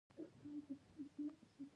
سلیمان غر د طبیعي زیرمو یوه برخه ده.